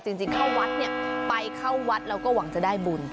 จริงเข้าวัดเนี่ยไปเข้าวัดแล้วก็หวังจะได้บุญ